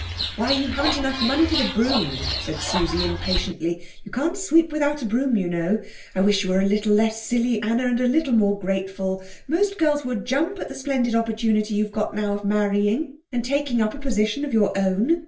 "Why, you haven't enough money for the broom," said Susie impatiently. "You can't sweep without a broom, you know. I wish you were a little less silly, Anna, and a little more grateful. Most girls would jump at the splendid opportunity you've got now of marrying, and taking up a position of your own.